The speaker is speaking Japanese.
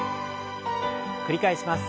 繰り返します。